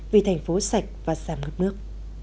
vì thành phố sạch và xa mất nước